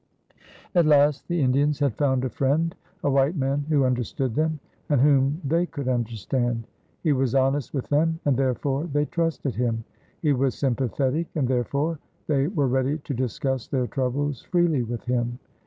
At last the Indians had found a friend, a white man who understood them and whom they could understand. He was honest with them and therefore they trusted him. He was sympathetic and therefore they were ready to discuss their troubles freely with him.